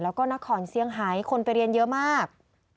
แล้วก็นครเซียงไฮคนไปเรียนเยอะมาก